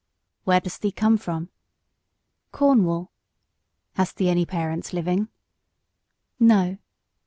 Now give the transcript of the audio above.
"Where dost thee come from?" "Cornwall." "Hast thee any parents living?" "No."